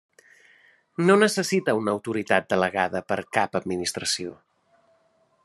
No necessita una autoritat delegada per cap Administració.